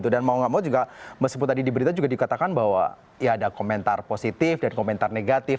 dan mau gak mau juga meskipun tadi diberitakan juga dikatakan bahwa ada komentar positif dan komentar negatif